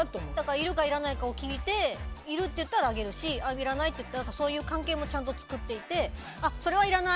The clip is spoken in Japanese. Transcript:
いるかいらないかを聞いているって言ったらあげるしいらないって言ったらそういう関係も作っていてそれはいらない